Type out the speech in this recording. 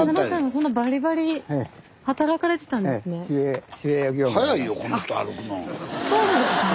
そうなんですよ。